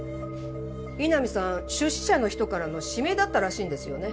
井波さん出資者の人からの指名だったらしいんですよね。